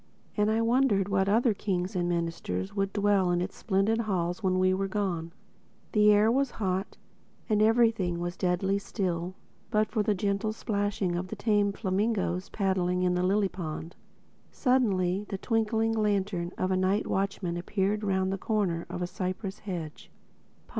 And I wondered what other kings and ministers would dwell in its splendid halls when we were gone. The air was hot; and everything was deadly still but for the gentle splashing of the tame flamingoes paddling in the lily pond. Suddenly the twinkling lantern of a night watchman appeared round the corner of a cypress hedge.